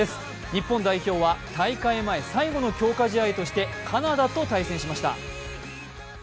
日本代表は大会前最後の強化試合として、カナダと対戦しました。